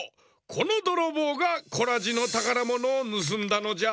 このどろぼうがコラジのたからものをぬすんだのじゃ。